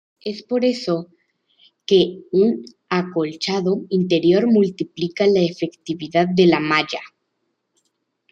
Es por eso que un acolchado interior multiplica la efectividad de la malla.